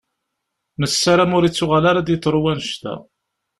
Nessaram ur ittuɣal ara ad d-yeḍṛu wannect-a.